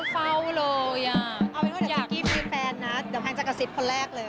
เอาเป็นว่าเดี๋ยวจิกกี้เป็นแฟนนะเดี๋ยวพังจะกระซิบคนแรกเลย